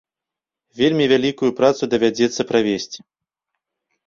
Вельмі вялікую працу давядзецца правесці.